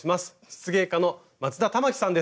漆芸家の松田環さんです。